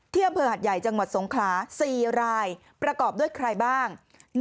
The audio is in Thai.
อำเภอหัดใหญ่จังหวัดสงขลา๔รายประกอบด้วยใครบ้าง